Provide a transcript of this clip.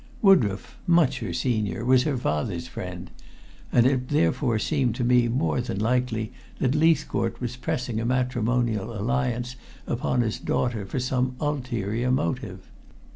Woodroffe, much her senior, was her father's friend, and it therefore seemed to me more than likely that Leithcourt was pressing a matrimonial alliance upon his daughter for some ulterior motive.